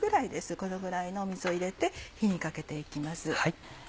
このぐらいの水を入れて火にかけて行きます。